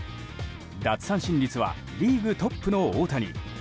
奪三振率はリーグトップの大谷。